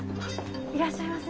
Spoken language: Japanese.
いらっしゃいませ。